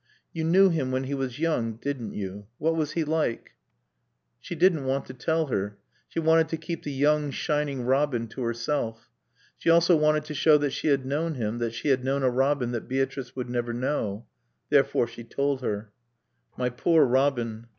"You knew him when he was young, didn't you? What was he like?" She didn't want to tell her. She wanted to keep the young, shining Robin to herself. She also wanted to show that she had known him, that she had known a Robin that Beatrice would never know. Therefore she told her. "My poor Robin."